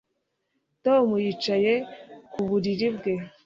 tom yicaye ku buriri bwe